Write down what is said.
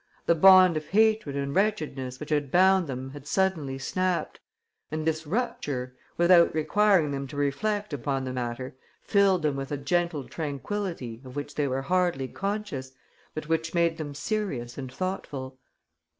The bond of hatred and wretchedness which had bound them had suddenly snapped; and this rupture, without requiring them to reflect upon the matter, filled them with a gentle tranquillity of which they were hardly conscious, but which made them serious and thoughtful.